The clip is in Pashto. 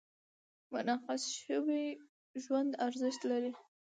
منعکس شوي ژوند ارزښت لري.